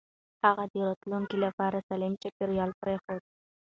هغه د راتلونکي لپاره سالم چاپېريال پرېښود.